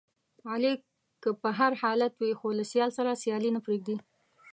علي که په هر حالت وي، خو له سیال سره سیالي نه پرېږدي.